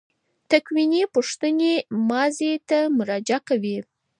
تکویني پوښتنې ماضي ته مراجعه کوي.